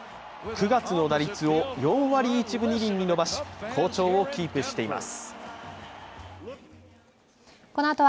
９月の打率を４割１分２厘に伸ばし好調をキープしています。